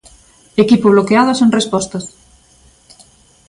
Equipo bloqueado e sen respostas.